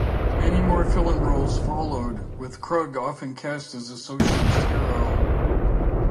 Many more film roles followed, with Krug often cast as a socialist hero.